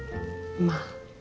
まあ。